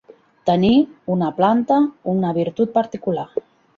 Tenir, una planta, una virtut particular.